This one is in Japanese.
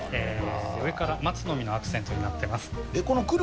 上から松の実のアクセントになってます